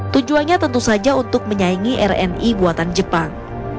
tujuannya tentu saja untuk menyaingi rni buatan jepang